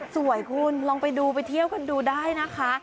สวยคุณลองไปดูไปเที่ยวกันดูได้นะคะ